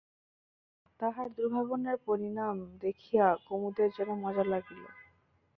তাহার দুর্ভাবনার পরিণাম দেখিয়া কুমুদের যেন মজা লাগিল।